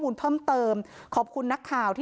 ดีนะคะ